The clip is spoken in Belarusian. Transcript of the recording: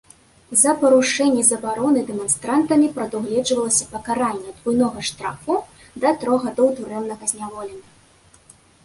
За парушэнне забароны дэманстрантамі прадугледжвалася пакаранне ад буйнога штрафу да трох гадоў турэмнага зняволення.